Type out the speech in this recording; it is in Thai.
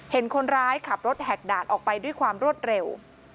เห็นคนร้ายขับรถแหกด่านออกไปด้วยความรวดเร็ว